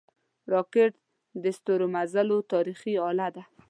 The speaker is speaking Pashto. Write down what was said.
راکټ د ستورمزلو تاریخي اله ده